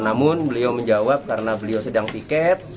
namun beliau menjawab karena beliau sedang tiket